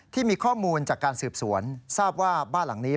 ที่มีข้อมูลจากการสืบสวนทราบว่าบ้านหลังนี้